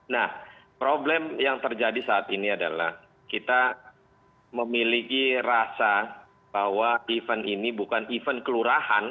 nah problem yang terjadi saat ini adalah kita memiliki rasa bahwa event ini bukan event kelurahan